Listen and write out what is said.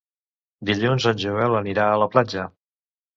Dilluns en Joel anirà a la platja.